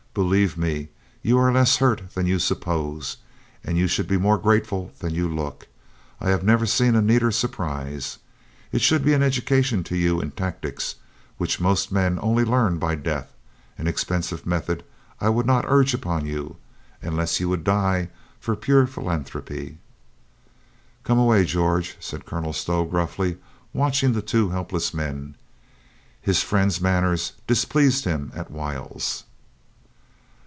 "Be lieve me, you are less hurt than you suppose, and you should be more grateful than you look. I have never seen a neater surprise. It should be an educa tion to you in tactics — which most men only learn by death — an expensive method I would not urge upon you, unless you would die for pure philanthropy." "Come away, George," said Colonel Stow gruffly, watching the two helpless men. His friend's man ners displeased him at whiles.